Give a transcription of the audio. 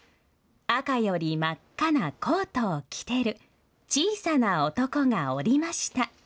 赤より真っ赤なコートを着てる、小さな男がおりました！